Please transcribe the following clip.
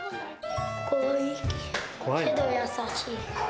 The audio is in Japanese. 怖いけど、優しい。